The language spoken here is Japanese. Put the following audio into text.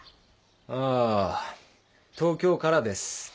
ああ東京からです。